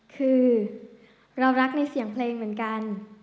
คือเรารักในเสียงเพลงเหมือนกัน